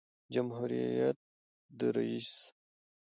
جمهوریت د رئیس